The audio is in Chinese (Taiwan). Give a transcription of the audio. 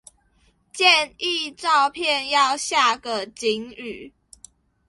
建議照片要下個警語